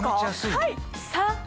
はい！